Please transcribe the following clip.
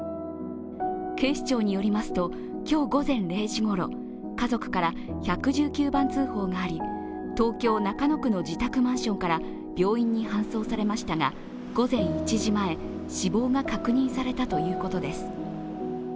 警視庁によりますと、今日午前０時ごろ、家族から１１９番通報があり東京・中野区の自宅マンションから病院に搬送されましたが午前１時前、死亡が確認されたということです。